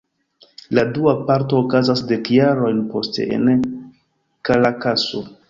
La dua parto okazas dek jarojn poste, en Karakaso.